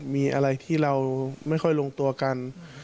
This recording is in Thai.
มีอะไรที่เราไม่ค่อยลงตัวกัน